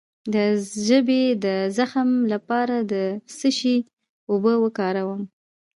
د ژبې د زخم لپاره د څه شي اوبه وکاروم؟